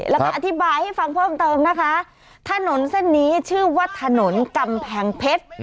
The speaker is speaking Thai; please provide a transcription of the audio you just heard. แล้วก็อธิบายให้ฟังเพิ่มเติมนะคะถนนเส้นนี้ชื่อว่าถนนกำแพงเพชร